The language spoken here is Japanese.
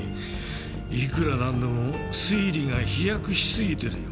いくらなんでも推理が飛躍しすぎてるよ。